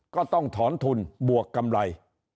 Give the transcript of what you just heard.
ก็ต้องถอนทุนบวกกำไร